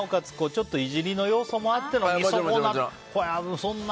ちょっといじりの要素もあっての。